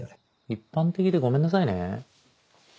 一般的でごめんなさいね。